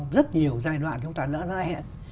rất nhiều giai đoạn chúng ta đã ra hẹn